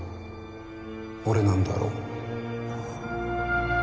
俺なんだろ？